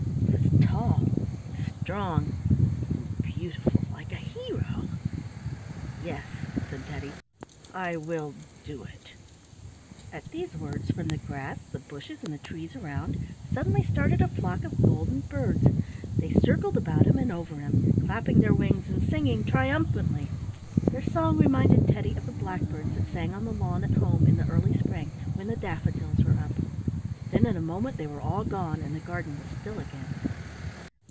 He was tall and strong and beautiful, like a hero. "Yes," said Teddy, "I will do it." At these words, from the grass, the bushes, and the tress around, suddenly started a flock of golden birds. They circled about him and over him, clapping their wings and singing triumphantly. Their song reminded Teddy of the blackbirds that sang on the lawn at home in the early spring, when the daffodils were up. Then in a moment they were all gone, and the garden was still again.